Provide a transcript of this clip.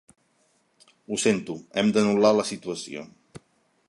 Ho sento, hem d'anul·lar la situació.